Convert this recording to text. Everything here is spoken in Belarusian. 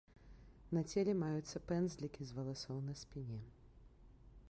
На целе маюцца пэндзлікі з валасоў на спіне.